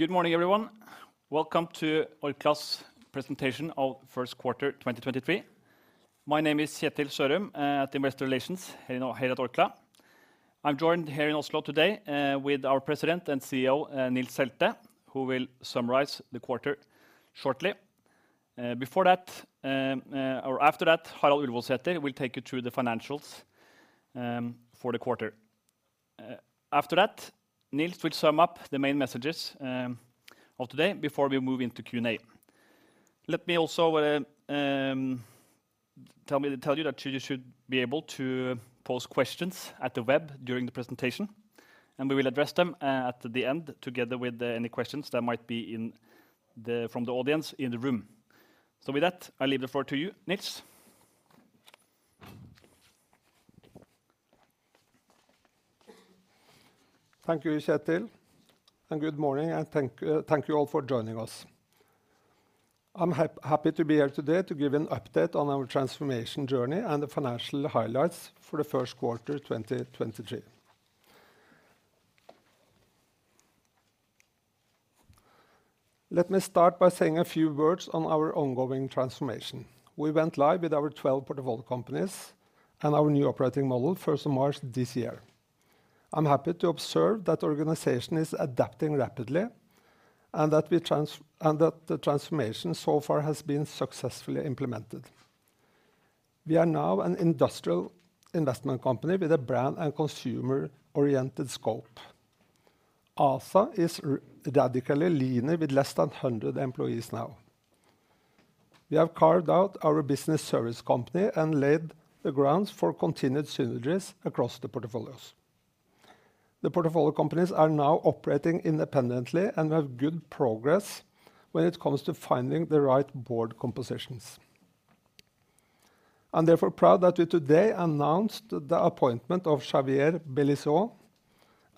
Good morning, everyone. Welcome to Orkla's presentation of Q1 2023. My name is Kjetil Sørum, at Investor Relations here at Orkla. I'm joined here in Oslo today, with our President and CEO, Nils Selte, who will summarize the quarter shortly. Before that, or after that, Harald Ullevoldsæter will take you through the financials for the quarter. After that, Nils will sum up the main messages of today before we move into Q&A. Let me also tell you that you should be able to pose questions at the web during the presentation, and we will address them at the end together with any questions that might be from the audience in the room. With that, I leave the floor to you, Nils. Thank you, Kjetil, and good morning, and thank you all for joining us. I'm happy to be here today to give an update on our transformation journey and the financial highlights for Q1 2023. Let me start by saying a few words on our ongoing transformation. We went live with our 12 portfolio companies and our new operating model 1 March this year. I'm happy to observe that organization is adapting rapidly and that the transformation so far has been successfully implemented. We are now an industrial investment company with a brand and consumer-oriented scope. Orkla ASA is radically leaner with less than 100 employees now. We have carved out our business service company and laid the grounds for continued synergies across the portfolios. The portfolio companies are now operating independently, and we have good progress when it comes to finding the right board compositions. I'm therefore proud that we today announced the appointment of Xavier Belizon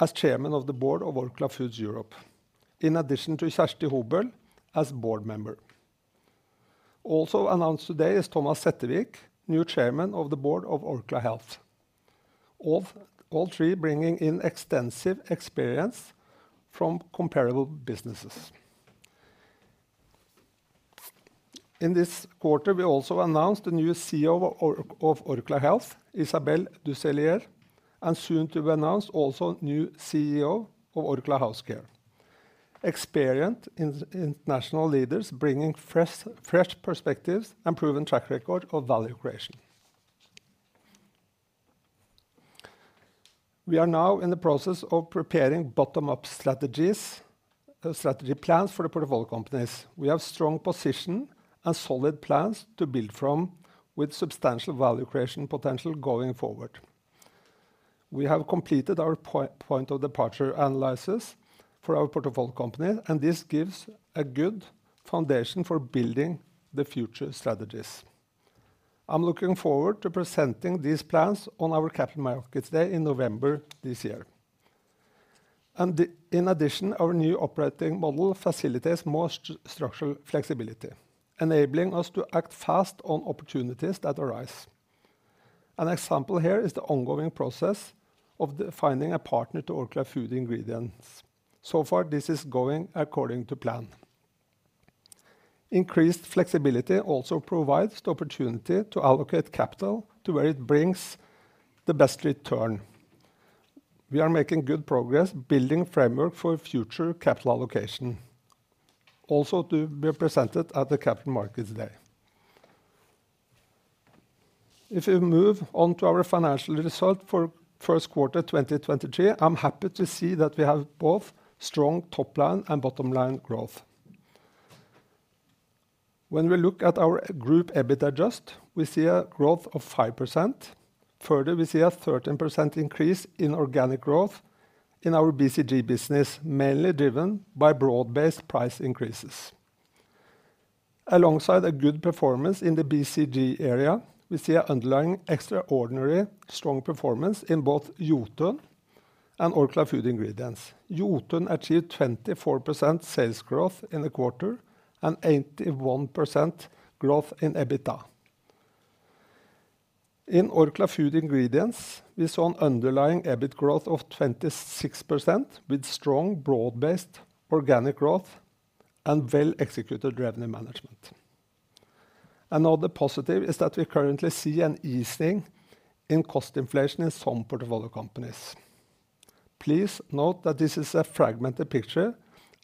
as Chairman of the Board of Orkla Foods Europe, in addition to Kjersti Hobøl as board member. Also announced today is Tomas Settevik, new Chairman of the Board of Orkla Health, all three bringing in extensive experience from comparable businesses. In this quarter, we also announced the new CEO of Orkla Health, Isabelle Ducellier, and soon to be announced also new CEO of Orkla Housecare. Experienced international leaders bringing fresh perspectives and proven track record of value creation. We are now in the process of preparing bottom-up strategies, strategy plans for the portfolio companies. We have strong position and solid plans to build from with substantial value creation potential going forward. We have completed our point of departure analysis for our portfolio company. This gives a good foundation for building the future strategies. I'm looking forward to presenting these plans on our Capital Markets Day in November this year. In addition, our new operating model facilitates more structural flexibility, enabling us to act fast on opportunities that arise. An example here is the ongoing process of finding a partner to Orkla Food Ingredients. So far, this is going according to plan. Increased flexibility also provides the opportunity to allocate capital to where it brings the best return. We are making good progress building framework for future capital allocation, also to be presented at the Capital Markets Day. If you move on to our financial result for Q1 2023, I'm happy to see that we have both strong top line and bottom line growth. When we look at our group EBIT adjusted, we see a growth of 5%. We see a 13% increase in organic growth in our BCG business, mainly driven by broad-based price increases. Alongside a good performance in the BCG area, we see an underlying extraordinary strong performance in both Jotun and Orkla Food Ingredients. Jotun achieved 24% sales growth in the quarter and 81% growth in EBITDA. In Orkla Food Ingredients, we saw an underlying EBIT growth of 26% with strong, broad-based organic growth and well-executed revenue management. Another positive is that we currently see an easing in cost inflation in some portfolio companies. Please note that this is a fragmented picture,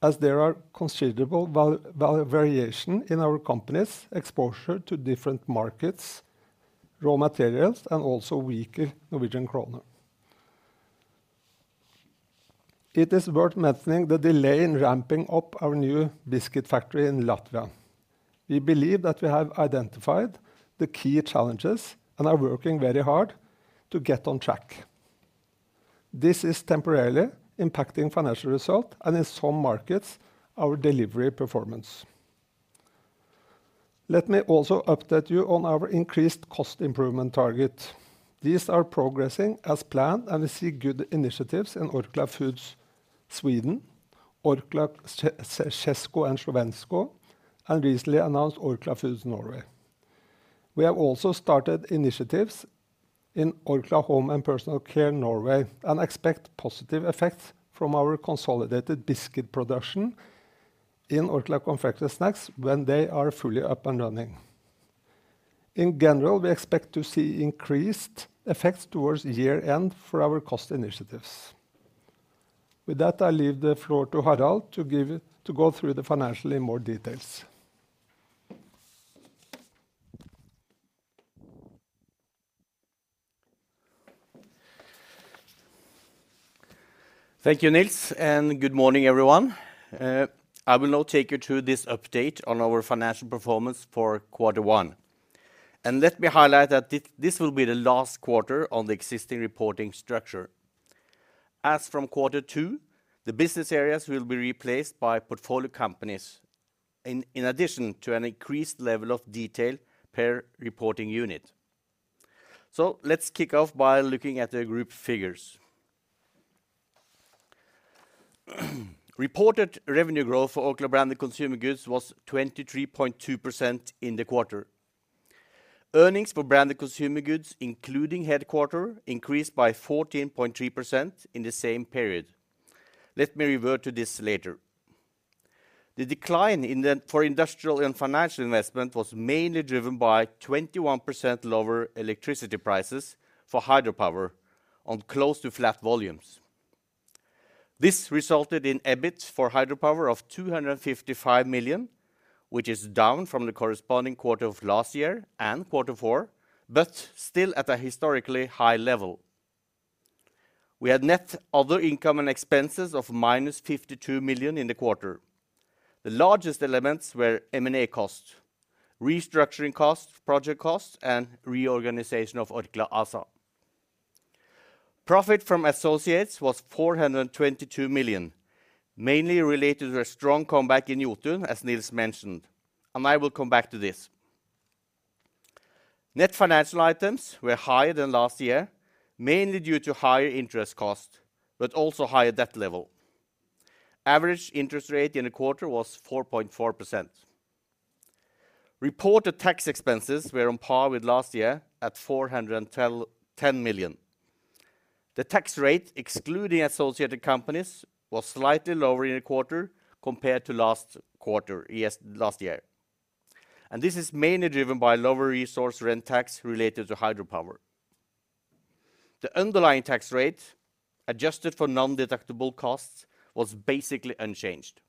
as there are considerable variation in our company's exposure to different markets, raw materials and also weaker Norwegian kroner. It is worth mentioning the delay in ramping up our new biscuit factory in Latvia. We believe that we have identified the key challenges and are working very hard to get on track. This is temporarily impacting financial result and in some markets, our delivery performance. Let me also update you on our increased cost improvement target. These are progressing as planned, and we see good initiatives in Orkla Foods Sweden, Orkla Foods Česko a Slovensko, and recently announced Orkla Foods Norway. We have also started initiatives in Orkla Home & Personal Care Norway and expect positive effects from our consolidated biscuit production in Orkla Confectionery & Snacks when they are fully up and running. In general, we expect to see increased effects towards year-end for our cost initiatives. With that, I leave the floor to Harald to go through the financial in more details. Thank you, Nils, good morning, everyone. I will now take you to this update on our financial performance for Q1. Let me highlight that this will be the last quarter on the existing reporting structure. As from Q2, the business areas will be replaced by portfolio companies, in addition to an increased level of detail per reporting unit. Let's kick off by looking at the group figures. Reported revenue growth for Orkla Branded Consumer Goods was 23.2% in the quarter. Earnings for Branded Consumer Goods, including headquarters, increased by 14.3% in the same period. Let me revert to this later. The decline for Industrial and Financial Investment was mainly driven by 21% lower electricity prices for hydropower on close to flat volumes. This resulted in EBIT for hydropower of 255 million, which is down from the corresponding quarter of last year and Q4, but still at a historically high level. We had net other income and expenses of -52 million in the quarter. The largest elements were M&A costs, restructuring costs, project costs, and reorganization of Orkla ASA. Profit from associates was 422 million, mainly related to a strong comeback in Jotun, as Nils mentioned, and I will come back to this. Net financial items were higher than last year, mainly due to higher interest costs, but also higher debt level. Average interest rate in the quarter was 4.4%. Reported tax expenses were on par with last year at 410 million. The tax rate, excluding associated companies, was slightly lower in the quarter compared to last quarter, yes, last year. This is mainly driven by lower resource rent tax related to hydropower. The underlying tax rate, adjusted for non-deductible costs, was basically unchanged.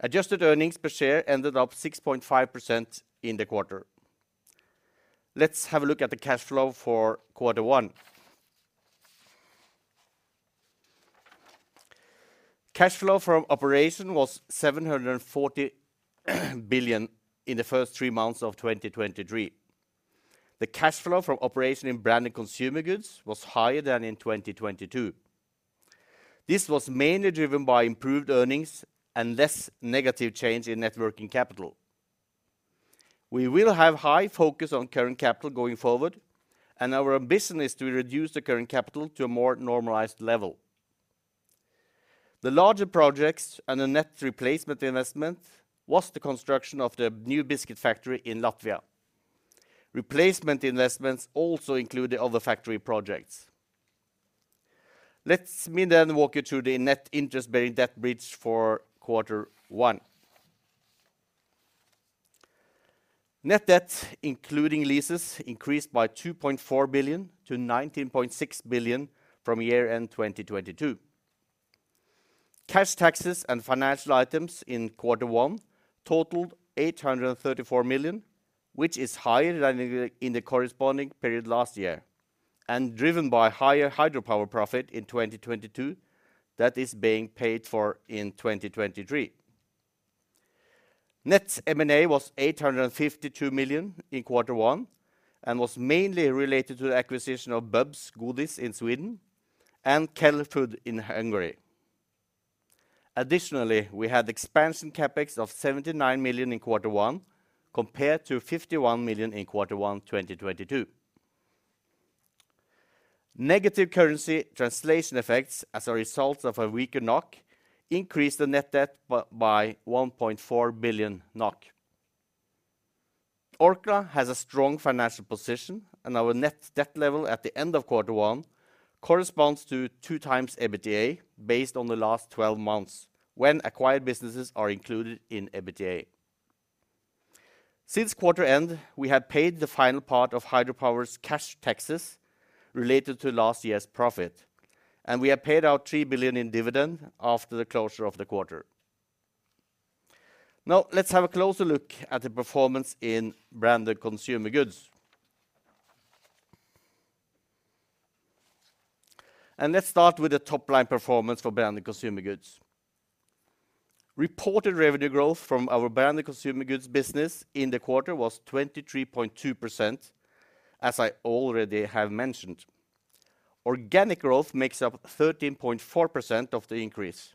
Adjusted earnings per share ended up 6.5% in the quarter. Let's have a look at the cash flow for Q1. Cash flow from operation was 740 billion in the first three months of 2023. The cash flow from operation in Branded Consumer Goods was higher than in 2022. This was mainly driven by improved earnings and less negative change in net working capital. We will have high focus on current capital going forward, and our ambition is to reduce the current capital to a more normalized level. The larger projects and the net replacement investment was the construction of the new biscuit factory in Latvia. Replacement investments also include the other factory projects. Let me walk you through the net interest-bearing debt bridge for Q1. Net debt, including leases, increased by 2.4 to 19.6 billion from year-end 2022. Cash taxes and financial items in Q1 totaled 834 million, which is higher than in the corresponding period last year, and driven by higher hydropower profit in 2022 that is being paid for in 2023. Net M&A was 852 million in Q1 and was mainly related to the acquisition of Bubs Godis in Sweden and Khell-Food in Hungary. Additionally, we had expansion CapEx of 79 in Q1 compared to 51 million in Q1 2022. Negative currency translation effects as a result of a weaker NOK increased the net debt by 1.4 billion NOK. Orkla has a strong financial position, and our net debt level at the end of Q1 corresponds to 2x EBITDA based on the last 12 months when acquired businesses are included in EBITDA. Since quarter-end, we have paid the final part of hydropower's cash taxes related to last year's profit, and we have paid out 3 billion in dividend after the closure of the quarter. Now let's have a closer look at the performance in Branded Consumer Goods. Let's start with the top-line performance for Branded Consumer Goods. Reported revenue growth from our Branded Consumer Goods business in the quarter was 23.2%, as I already have mentioned. Organic growth makes up 13.4% of the increase.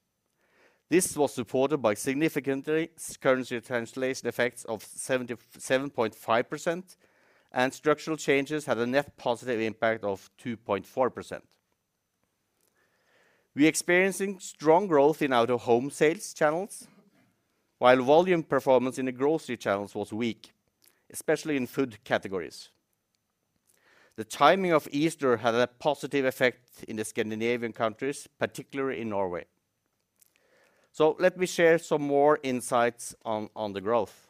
This was supported by significantly currency translation effects of 77.5%. Structural changes had a net positive impact of 2.4%. We're experiencing strong growth in out-of-home sales channels, while volume performance in the grocery channels was weak, especially in food categories. The timing of Easter had a positive effect in the Scandinavian countries, particularly in Norway. Let me share some more insights on the growth.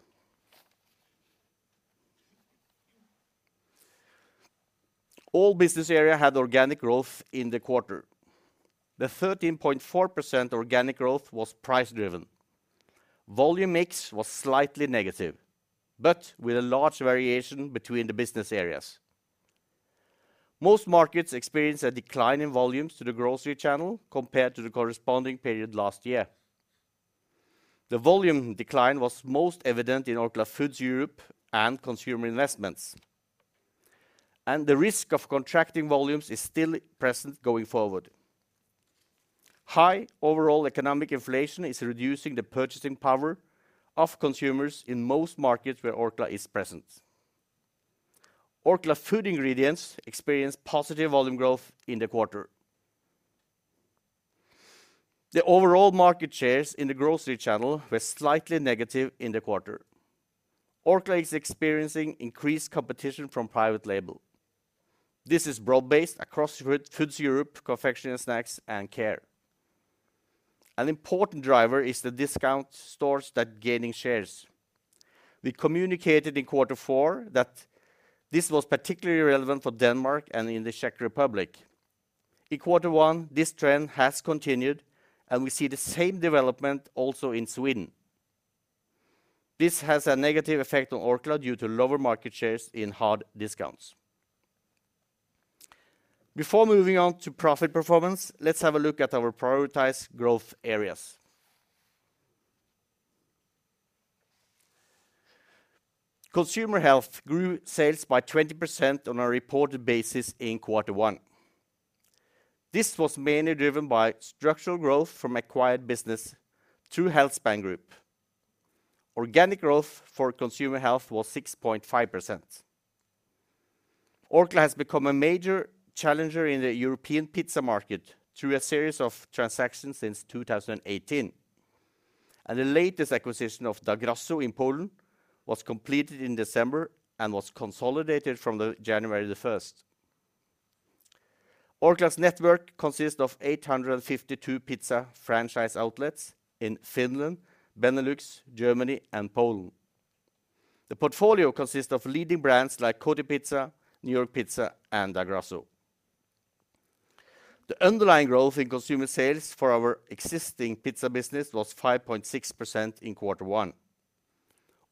All business area had organic growth in the quarter. The 13.4% organic growth was price driven. Volume mix was slightly negative, With a large variation between the business areas. Most markets experienced a decline in volumes to the grocery channel compared to the corresponding period last year. The volume decline was most evident in Orkla Foods Europe and consumer investments. The risk of contracting volumes is still present going forward. High overall economic inflation is reducing the purchasing power of consumers in most markets where Orkla is present. Orkla Food Ingredients experienced positive volume growth in the quarter. The overall market shares in the grocery channel were slightly negative in the quarter. Orkla is experiencing increased competition from private label. This is broad-based across Food, Foods Europe, Confectionery and Snacks, and Care. An important driver is the discount stores that gaining shares. We communicated in Q4 that this was particularly relevant for Denmark and in the Czech Republic. In Q1, this trend has continued, and we see the same development also in Sweden. This has a negative effect on Orkla due to lower market shares in hard discounts. Before moving on to profit performance, let's have a look at our prioritized growth areas. Consumer health grew sales by 20% on a reported basis in Q1. This was mainly driven by structural growth from acquired business through Healthspan Group. Organic growth for consumer health was 6.5%. Orkla has become a major challenger in the European pizza market through a series of transactions since 2018. The latest acquisition of Da Grasso in Poland was completed in December and was consolidated from January 1. Orkla's network consists of 852 pizza franchise outlets in Finland, Benelux, Germany and Poland. The portfolio consists of leading brands like Kotipizza, New York Pizza and Da Grasso. The underlying growth in consumer sales for our existing pizza business was 5.6% in Q1.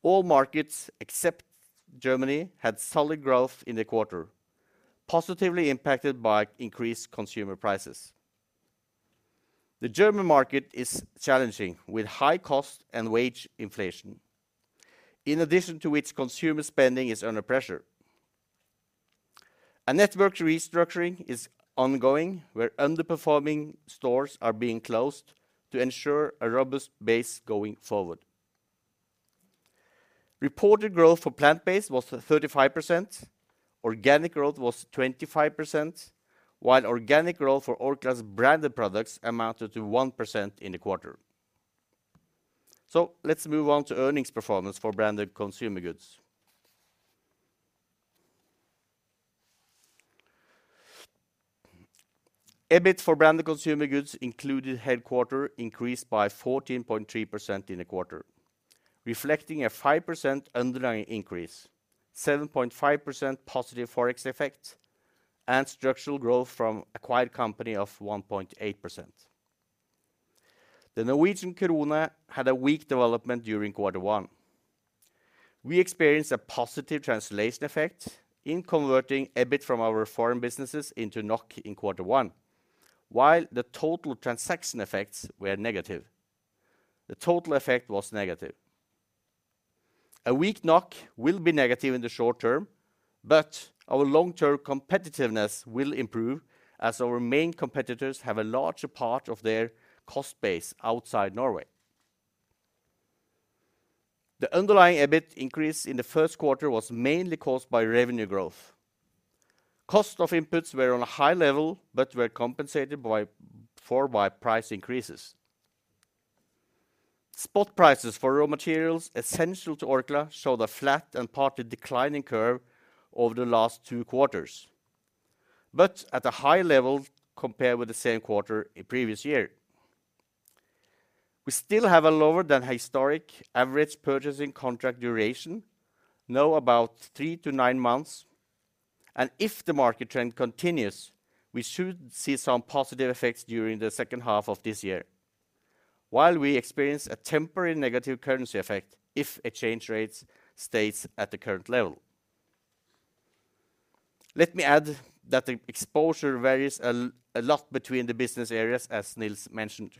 All markets except Germany had solid growth in the quarter, positively impacted by increased consumer prices. The German market is challenging with high cost and wage inflation, in addition to which consumer spending is under pressure. A network restructuring is ongoing, where underperforming stores are being closed to ensure a robust base going forward. Reported growth for plant-based was 35%, organic growth was 25%, while organic growth for Orkla's branded products amounted to 1% in the quarter. Let's move on to earnings performance for Branded Consumer Goods. EBIT for Branded Consumer Goods included headquarter increase by 14.3% in the quarter, reflecting a 5% underlying increase, 7.5% positive ForEx effect, and structural growth from acquired company of 1.8%. The Norwegian krona had a weak development during Q1. We experienced a positive translation effect in converting EBIT from our foreign businesses into NOK in Q1, while the total transaction effects were negative. The total effect was negative. A weak NOK will be negative in the short term, but our long-term competitiveness will improve as our main competitors have a larger part of their cost base outside Norway. The underlying EBIT increase in Q1 was mainly caused by revenue growth. Cost of inputs were on a high level, but were compensated for by price increases. Spot prices for raw materials essential to Orkla showed a flat and partly declining curve over the last two quarters, but at a high level compared with the same quarter in previous year. We still have a lower than historic average purchasing contract duration, now about three to nine months. If the market trend continues, we should see some positive effects during the second half of this year. While we experience a temporary negative currency effect if exchange rates stays at the current level. Let me add that the exposure varies a lot between the business areas, as Nils mentioned.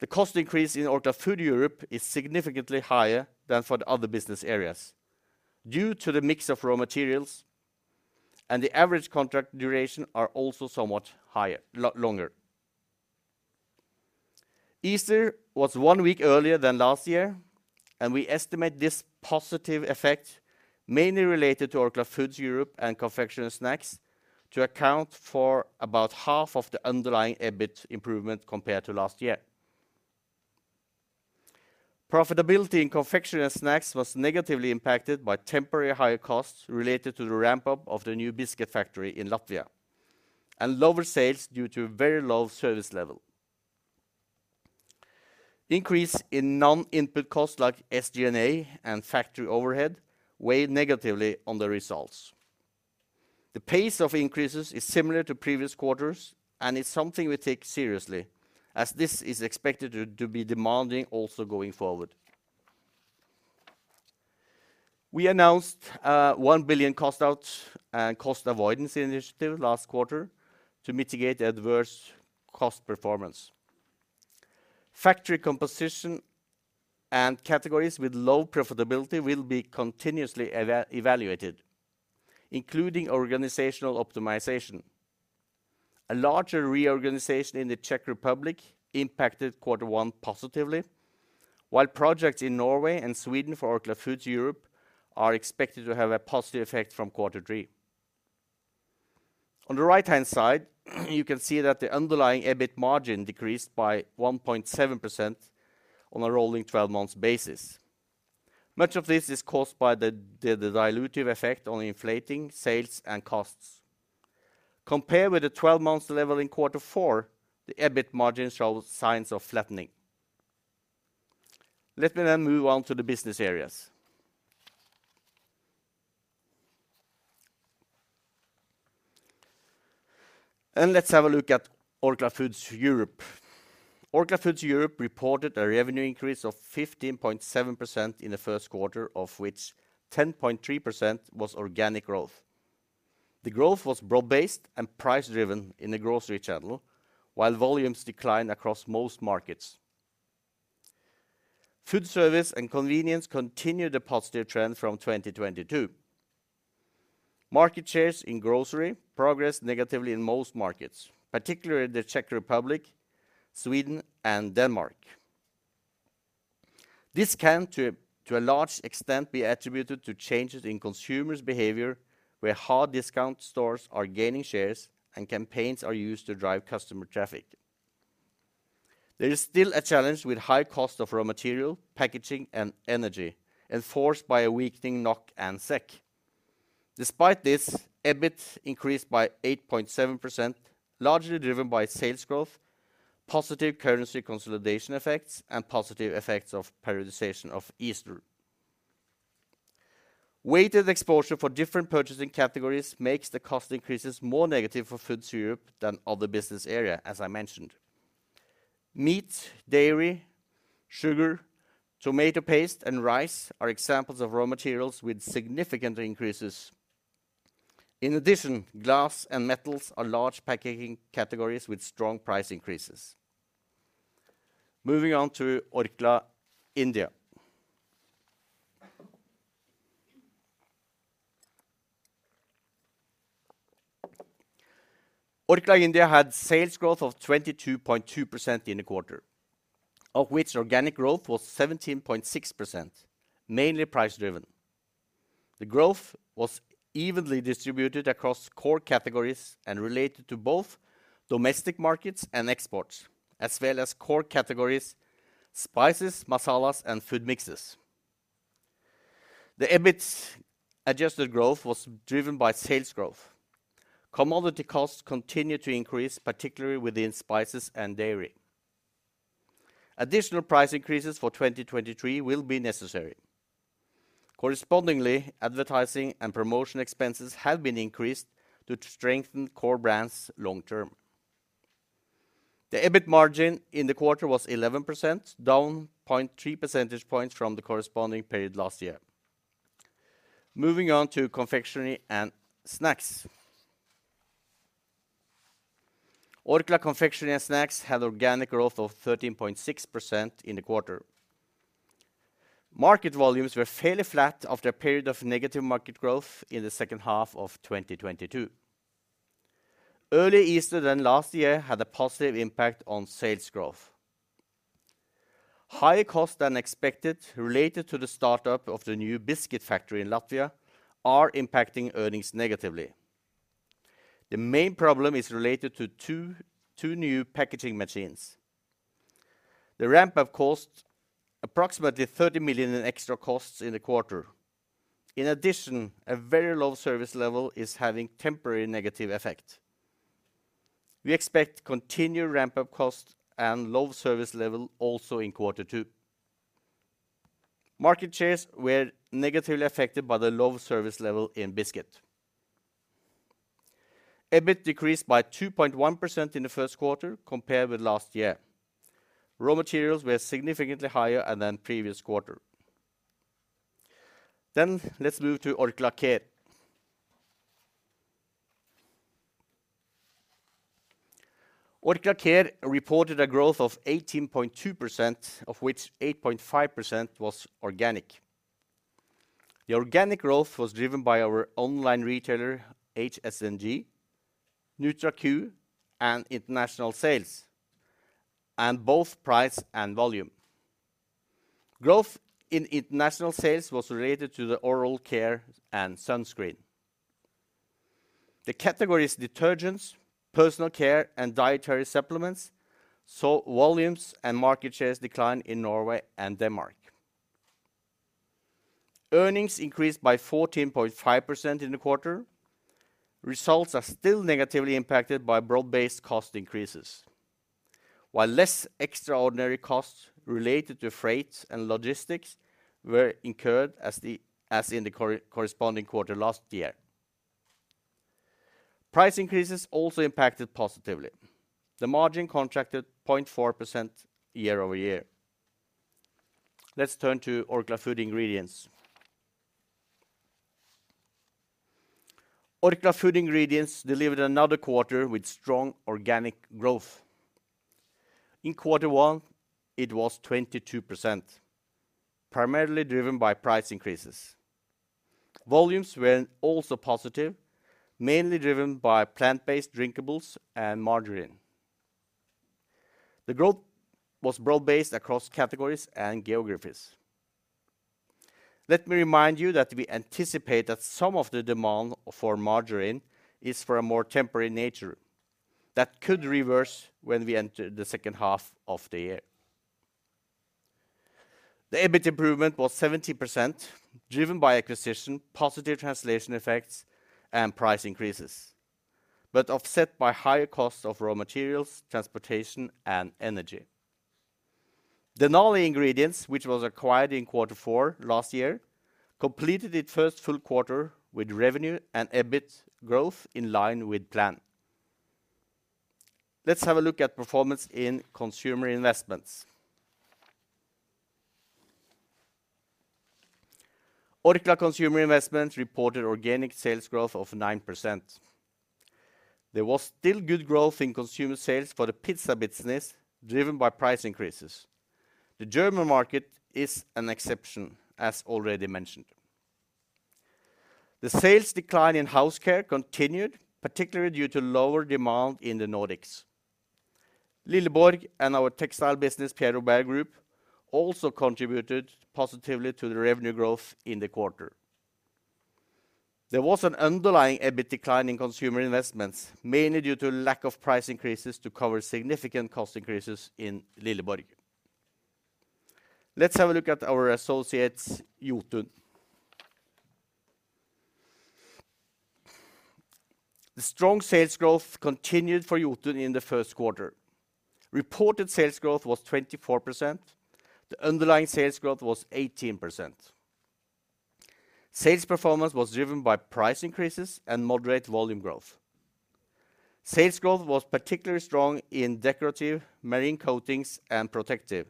The cost increase in Orkla Foods Europe is significantly higher than for the other business areas due to the mix of raw materials, and the average contract duration are also somewhat longer. Easter was one week earlier than last year, we estimate this positive effect mainly related to Orkla Foods Europe and Orkla Confectionery & Snacks to account for about half of the underlying EBIT improvement compared to last year. Profitability in Orkla Confectionery & Snacks was negatively impacted by temporary higher costs related to the ramp-up of the new biscuit factory in Latvia and lower sales due to very low service level. Increase in non-input costs like SG&A and factory overhead weighed negatively on the results. The pace of increases is similar to previous quarters. It's something we take seriously as this is expected to be demanding also going forward. We announced 1 billion cost out and cost avoidance initiative last quarter to mitigate adverse cost performance. Factory composition and categories with low profitability will be continuously evaluated, including organizational optimization. A larger reorganization in the Czech Republic impacted Q1 positively. Projects in Norway and Sweden for Orkla Foods Europe are expected to have a positive effect from Q3. On the right-hand side, you can see that the underlying EBIT margin decreased by 1.7% on a rolling 12 months basis. Much of this is caused by the dilutive effect on inflating sales and costs. Compared with the 12 months level in Q4, the EBIT margin shows signs of flattening. Let me now move on to the business areas. Let's have a look at Orkla Foods Europe. Orkla Foods Europe reported a revenue increase of 15.7% in Q1, of which 10.3% was organic growth. The growth was broad-based and price-driven in the grocery channel, while volumes declined across most markets. Food service and convenience continued the positive trend from 2022. Market shares in grocery progressed negatively in most markets, particularly the Czech Republic, Sweden, and Denmark. This can to a large extent be attributed to changes in consumers' behavior, where hard discount stores are gaining shares and campaigns are used to drive customer traffic. There is still a challenge with high cost of raw material, packaging, and energy, enforced by a weakening NOK and SEK. Despite this, EBIT increased by 8.7%, largely driven by sales growth, positive currency consolidation effects, and positive effects of periodization of Easter. Weighted exposure for different purchasing categories makes the cost increases more negative for Foods Europe than other business area, as I mentioned. Meat, dairy, sugar, tomato paste, and rice are examples of raw materials with significant increases. Glass and metals are large packaging categories with strong price increases. Moving on to Orkla India. Orkla India had sales growth of 22.2% in the quarter, of which organic growth was 17.6%, mainly price driven. The growth was evenly distributed across core categories and related to both domestic markets and exports, as well as core categories spices, masalas, and food mixes. The EBIT Adjusted growth was driven by sales growth. Commodity costs continued to increase, particularly within spices and dairy. Additional price increases for 2023 will be necessary. Correspondingly, advertising and promotion expenses have been increased to strengthen core brands long term. The EBIT margin in the quarter was 11%, down 0.3 percentage points from the corresponding period last year. Moving on to confectionery and snacks. Orkla Confectionery & Snacks had organic growth of 13.6% in the quarter. Market volumes were fairly flat after a period of negative market growth in the second half of 2022. Early Easter than last year had a positive impact on sales growth. Higher costs than expected related to the startup of the new biscuit factory in Latvia are impacting earnings negatively. The main problem is related to two new packaging machines. The ramp-up cost approximately 30 million in extra costs in the quarter. A very low service level is having temporary negative effect. We expect continued ramp-up cost and low service level also in Q2. Market shares were negatively affected by the low service level in biscuit. EBIT decreased by 2.1% in Q1 compared with last year. Raw materials were significantly higher than previous quarter. Let's move to Orkla Care. Orkla Care reported a growth of 18.2%, of which 8.5% was organic. The organic growth was driven by our online retailer, HSNG, NutraQ, and international sales, and both price and volume. Growth in international sales was related to the oral care and sunscreen. The categories detergents, personal care, and dietary supplements, saw volumes and market shares decline in Norway and Denmark. Earnings increased by 14.5% in the quarter. Results are still negatively impacted by broad-based cost increases. While less extraordinary costs related to freight and logistics were incurred as in the corresponding quarter last year. Price increases also impacted positively. The margin contracted 0.4% year-over-year. Let's turn to Orkla Food Ingredients. Orkla Food Ingredients delivered another quarter with strong organic growth. In Q1, it was 22%, primarily driven by price increases. Volumes were also positive, mainly driven by plant-based drinkables and margarine. The growth was broad-based across categories and geographies. Let me remind you that we anticipate that some of the demand for margarine is for a more temporary nature that could reverse when we enter the second half of the year. The EBIT improvement was 70% driven by acquisition, positive translation effects, and price increases, but offset by higher costs of raw materials, transportation, and energy. Danone Ingredients, which was acquired in Q4 last year, completed its first full quarter with revenue and EBIT growth in line with plan. Let's have a look at performance in Consumer Investments. Orkla Consumer Investments reported organic sales growth of 9%. There was still good growth in consumer sales for the pizza business, driven by price increases. The German market is an exception as already mentioned. The sales decline in house care continued, particularly due to lower demand in the Nordics. Lilleborg and our textile business, Pierre Robert Group, also contributed positively to the revenue growth in the quarter. There was an underlying EBIT decline in Consumer Investments, mainly due to lack of price increases to cover significant cost increases in Lilleborg. Let's have a look at our associates, Jotun. The strong sales growth continued for Jotun in Q1. Reported sales growth was 24%. The underlying sales growth was 18%. Sales performance was driven by price increases and moderate volume growth. Sales growth was particularly strong in decorative marine coatings and protective,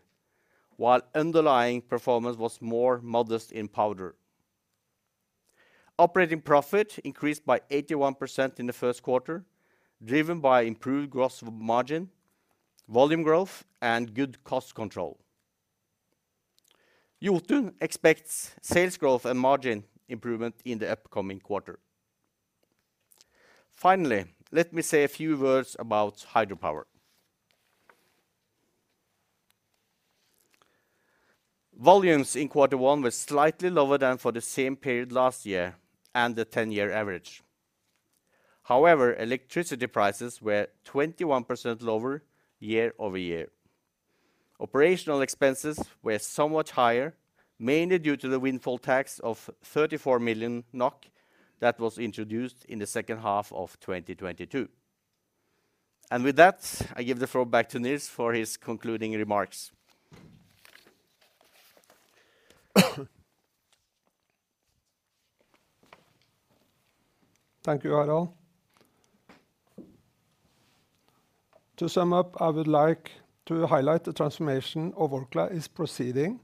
while underlying performance was more modest in powder. Operating profit increased by 81% in Q1, driven by improved gross margin, volume growth, and good cost control. Jotun expects sales growth and margin improvement in the upcoming quarter. Finally, let me say a few words about hydropower. Volumes in Q1 were slightly lower than for the same period last year and the 10-year average. However, electricity prices were 21% lower year-over-year. Operational expenses were somewhat higher, mainly due to the windfall tax of 34 million NOK that was introduced in the second half of 2022. With that, I give the floor back to Nils for his concluding remarks. Thank you, Harald. To sum up, I would like to highlight the transformation of Orkla is proceeding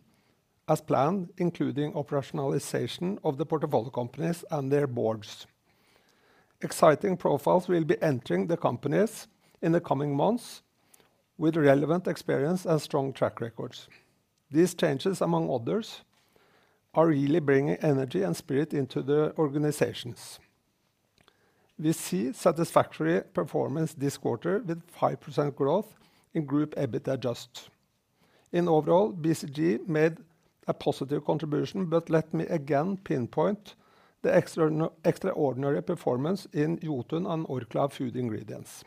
as planned, including operationalization of the portfolio companies and their boards. Exciting profiles will be entering the companies in the coming months with relevant experience and strong track records. These changes, among others, are really bringing energy and spirit into the organizations. We see satisfactory performance this quarter with 5% growth in group EBIT Adjusted. In overall, BCG made a positive contribution, but let me again pinpoint the extraordinary performance in Jotun and Orkla Food Ingredients.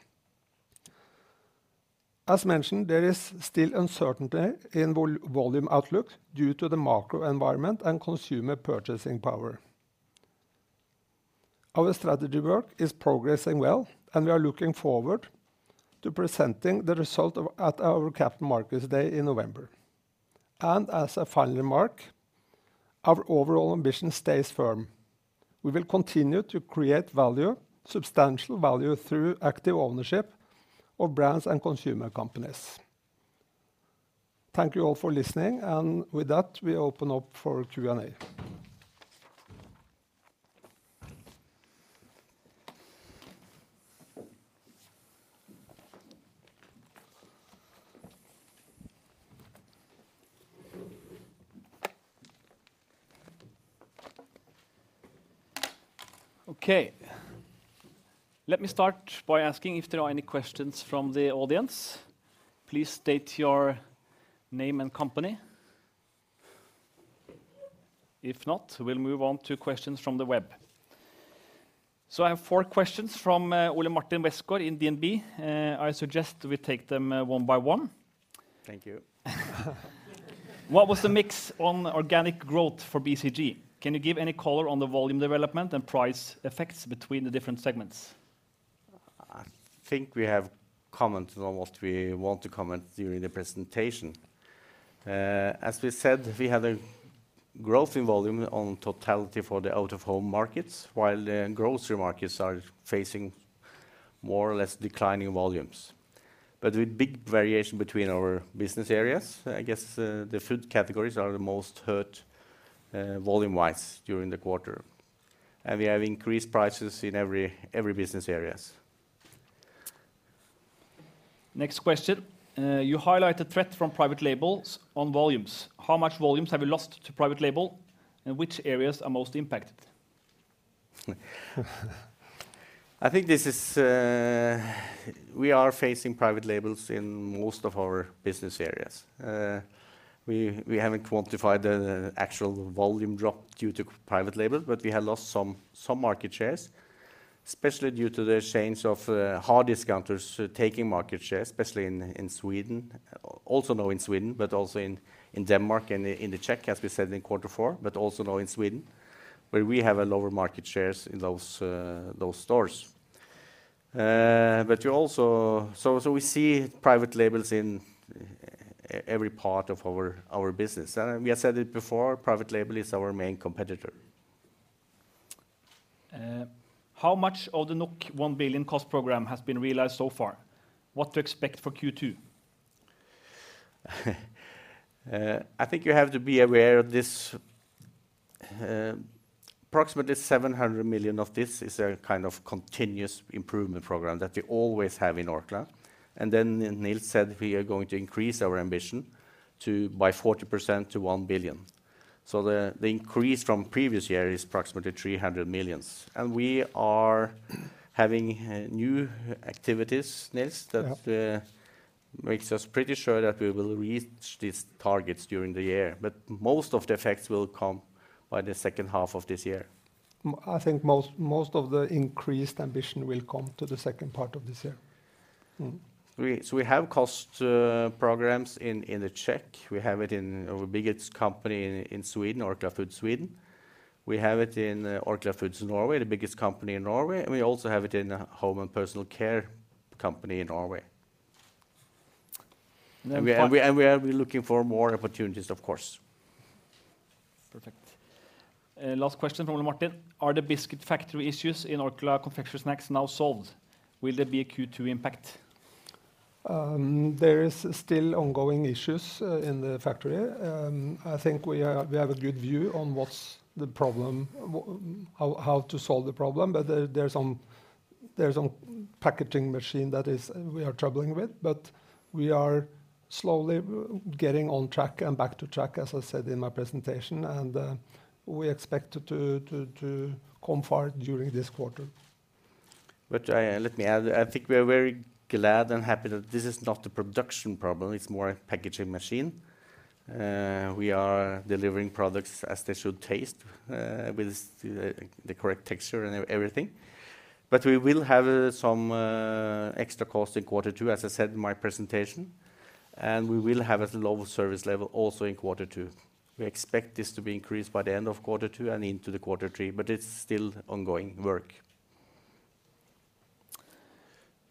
As mentioned, there is still uncertainty in volume outlook due to the macro environment and consumer purchasing power. Our strategy work is progressing well, and we are looking forward to presenting the result at our Capital Markets Day in November. As a final remark, our overall ambition stays firm. We will continue to create value, substantial value, through active ownership of brands and consumer companies. Thank you all for listening. With that, we open up for Q&A. Okay. Let me start by asking if there are any questions from the audience. Please state your name and company. If not, we'll move on to questions from the web. I have four questions from Ole Martin Westgaard in DNB. I suggest we take them, one by one. Thank you. What was the mix on organic growth for BCG? Can you give any color on the volume development and price effects between the different segments? I think we have commented on what we want to comment during the presentation. As we said, we have a growth in volume on totality for the out-of-home markets, while the grocery markets are facing more or less declining volumes. With big variation between our business areas, I guess, the food categories are the most hurt, volume-wise during the quarter. We have increased prices in every business areas. Next question. You highlight a threat from private labels on volumes. How much volumes have you lost to private label, and which areas are most impacted? I think this is, we are facing private labels in most of our business areas. We haven't quantified the actual volume drop due to private label, but we have lost some market shares, especially due to the change of hard discounters taking market shares, especially in Sweden. Now in Sweden, but also in Denmark and in the Czech, as we said in Q4, but also now in Sweden, where we have a lower market shares in those stores. You also. We see private labels in every part of our business. We have said it before, private label is our main competitor. How much of the 1 billion cost program has been realized so far? What to expect for Q2? I think you have to be aware this, approximately 700 million of this is a kind of continuous improvement program that we always have in Orkla. Nils said we are going to increase our ambition to, by 40% to 1 billion. The increase from previous year is approximately 300 million. We are having new activities. Yeah That makes us pretty sure that we will reach these targets during the year. Most of the effects will come by the second half of this year. I think most of the increased ambition will come to the second part of this year. Mm-hmm. We have cost programs in the Czech. We have it in our biggest company in Sweden, Orkla Foods Sweden. We have it in Orkla Foods Norge, the biggest company in Norway, and we also have it in the Home & Personal Care company in Norway. And then..... We are, we're looking for more opportunities, of course. Perfect. Last question from Ole Martin. Are the biscuit factory issues in Orkla Confectionery & Snacks now solved? Will there be a Q2 impact? There is still ongoing issues in the factory. I think we have a good view on what's the problem, how to solve the problem, but there are some packaging machine that we are troubling with, but we are slowly getting on track and back to track, as I said in my presentation. We expect to come far during this quarter. Let me add. I think we are very glad and happy that this is not a production problem, it's more a packaging machine. We are delivering products as they should taste, with the correct texture and everything. We will have some extra cost in Q2, as I said in my presentation, and we will have a low service level also in Q2. We expect this to be increased by the end of Q2 and into the Q3, but it's still ongoing work.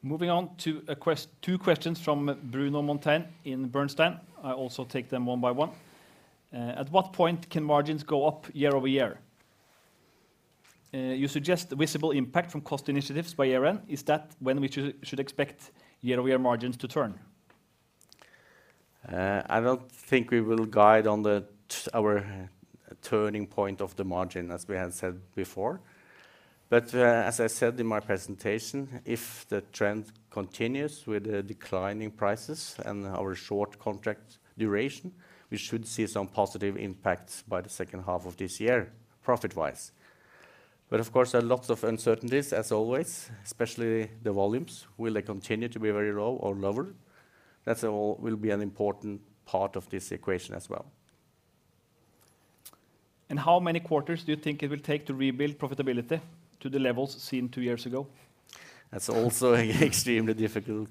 Moving on to two questions from Bruno Monteyne in Bernstein. I also take them one by one. At what point can margins go up year-over-year? You suggest visible impact from cost initiatives by year-end. Is that when we should expect year-over-year margins to turn? I don't think we will guide on our turning point of the margin, as we have said before. As I said in my presentation, if the trend continues with the declining prices and our short contract duration, we should see some positive impacts by the second half of this year, profit-wise. Of course, there are lots of uncertainties as always, especially the volumes. Will they continue to be very low or lower? will be an important part of this equation as well. How many quarters do you think it will take to rebuild profitability to the levels seen two years ago? That's also an extremely difficult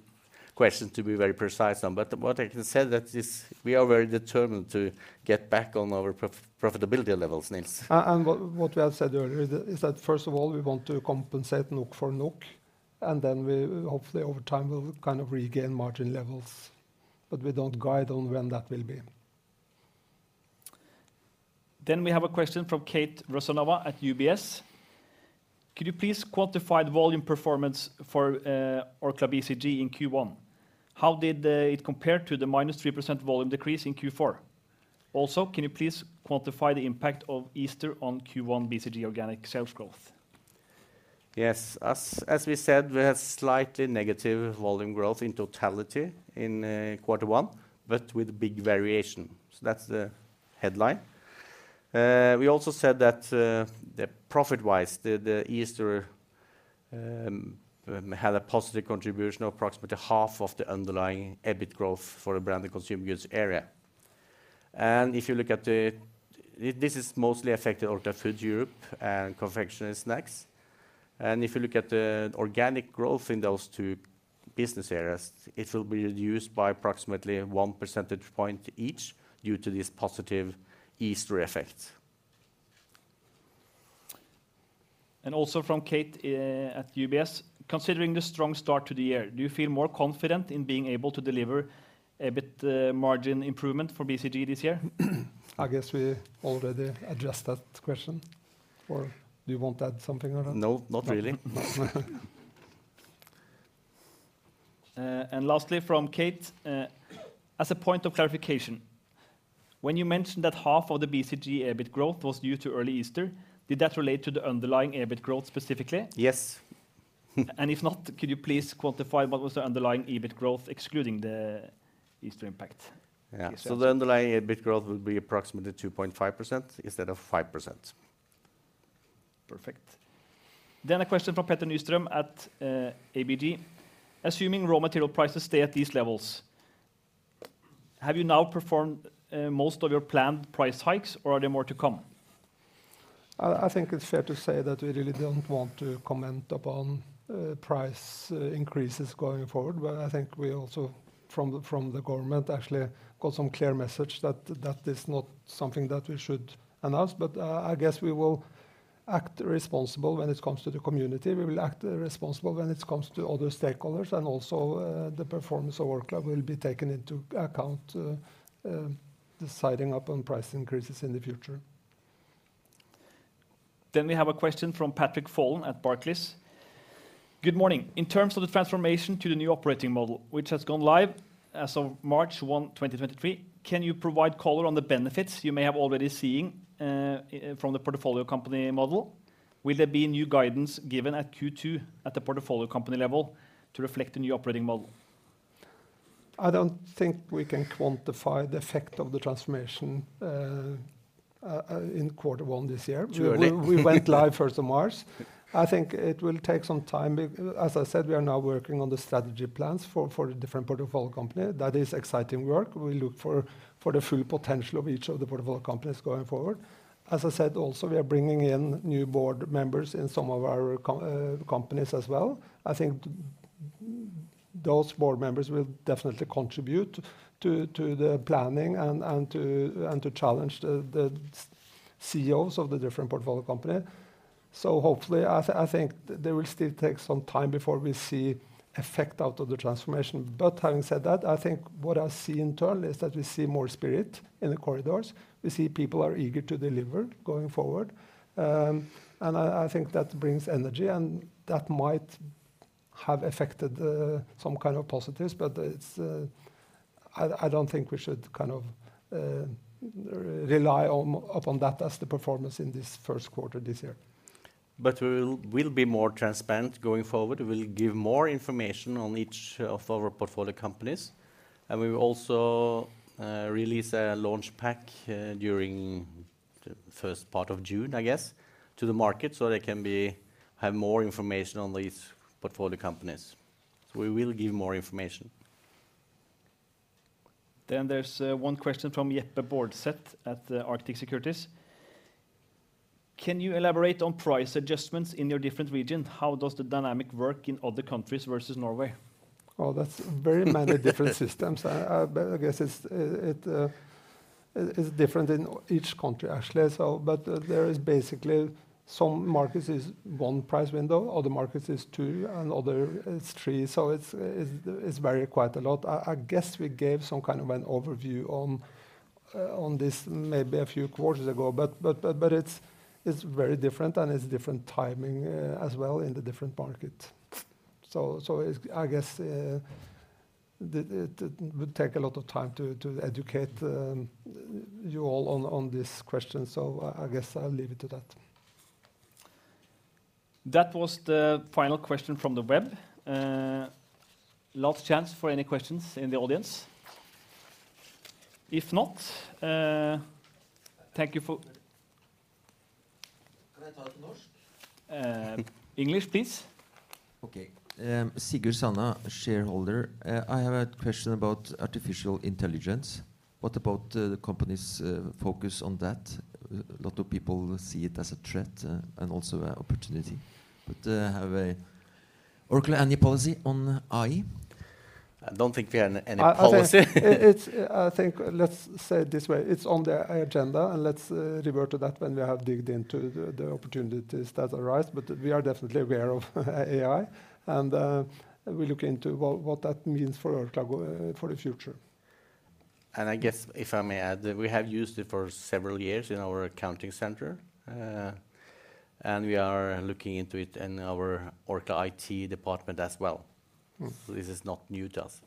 question to be very precise on. What I can say that is we are very determined to get back on our profitability levels, Nils. What we have said earlier is that, first of all, we want to compensate NOK for NOK, and then we hopefully over time will kind of regain margin levels. We don't guide on when that will be. We have a question from Kate Rusanova at UBS. Could you please quantify the volume performance for Orkla BCG in Q1? How did it compare to the -3% volume decrease in Q4? Can you please quantify the impact of Easter on Q1 BCG organic sales growth? As we said, we had slightly negative volume growth in totality in Q1, but with big variation. That's the headline. We also said that the profit-wise, the Easter had a positive contribution of approximately half of the underlying EBIT growth for the Branded Consumer Goods area. This has mostly affected Orkla Foods Europe and Confectionery & Snacks. If you look at the organic growth in those two business areas, it will be reduced by approximately one percentage point each due to this positive Easter effect. Also from Kate, at UBS, "Considering the strong start to the year, do you feel more confident in being able to deliver EBIT, margin improvement for BCG this year? I guess we already addressed that question. Do you want to add something, or not? No, not really. Lastly from Kate, "As a point of clarification, when you mentioned that half of the BCG EBIT growth was due to early Easter, did that relate to the underlying EBIT growth specifically? Yes. If not, could you please quantify what was the underlying EBIT growth excluding the Easter impact? Yeah. The underlying EBIT growth would be approximately 2.5% instead of 5%. Perfect. A question from Petter Nystrøm at ABG, "Assuming raw material prices stay at these levels, have you now performed most of your planned price hikes, or are there more to come? I think it's fair to say that we really don't want to comment upon price increases going forward. I think we also from the government actually got some clear message that that is not something that we should announce. I guess we will act responsible when it comes to the community. We will act responsible when it comes to other stakeholders. Also, the performance of Orkla will be taken into account deciding upon price increases in the future. We have a question from Patrick Folan at Barclays, "Good morning. In terms of the transformation to the new operating model, which has gone live as of March 1, 2023, can you provide color on the benefits you may have already seeing from the portfolio company model? Will there be new guidance given at Q2 at the portfolio company level to reflect the new operating model? I don't think we can quantify the effect of the transformation in Q1 this year. Surely. We went live 1 March. I think it will take some time. As I said, we are now working on the strategy plans for the different portfolio company. That is exciting work. We look for the full potential of each of the portfolio companies going forward. As I said, also, we are bringing in new board members in some of our companies as well. I think those board members will definitely contribute to the planning and to challenge the CEOs of the different portfolio company. Hopefully, I think they will still take some time before we see effect out of the transformation. Having said that, I think what I see internally is that we see more spirit in the corridors. We see people are eager to deliver going forward. I think that brings energy, and that might have affected some kind of positives. It's I don't think we should kind of rely upon that as the performance in this Q1 this year. We will be more transparent going forward. We'll give more information on each of our portfolio companies, and we will also release a launch pack during the first part of June, I guess, to the market, so they can have more information on these portfolio companies. We will give more information. There's one question from Jeppe Baardseth at Arctic Securities, "Can you elaborate on price adjustments in your different region? How does the dynamic work in other countries versus Norway? Oh, that's very many different systems. I guess it's different in each country, actually. But there is basically some markets is one price window, other markets is two, and other is three. It's vary quite a lot. I guess we gave some kind of an overview on this maybe a few quarters ago. But it's very different, and it's different timing as well in the different markets. It's I guess, it would take a lot of time to educate you all on this question. I guess I'll leave it to that. That was the final question from the web. Last chance for any questions in the audience. If not, thank you for-. English, please. Okay. Sigurd Sanna, shareholder. I have a question about artificial intelligence. What about the company's focus on that? A lot of people see it as a threat and also an opportunity. Have Orkla any policy on AI? I don't think we have any policy. I think let's say it this way, it's on the agenda. Let's revert to that when we have digged into the opportunities that arise. We are definitely aware of AI, and we look into what that means for Orkla for the future. I guess, if I may add, we have used it for several years in our accounting center. We are looking into it in our Orkla IT department as well. Mm. This is not new to us.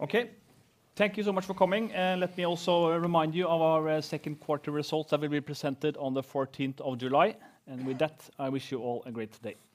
Okay. Thank you so much for coming. Let me also remind you of our Q2 results that will be presented on the 14 July. With that, I wish you all a great day.